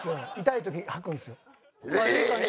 痛い時吐くんすよ。